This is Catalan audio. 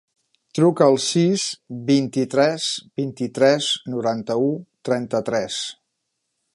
Truca al sis, vint-i-tres, vint-i-tres, noranta-u, trenta-tres.